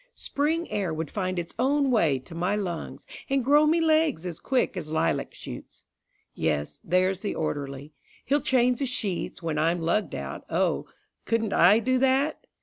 Spring air would find its own way to my lung, And grow me legs as quick as lilac shoots. Yes, there's the orderly. He'll change the sheets When I'm lugged out, oh, couldn't I do that?